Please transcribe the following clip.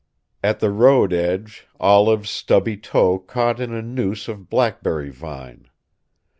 At the road edge Olive's stubby toe caught in a noose of blackberry vine.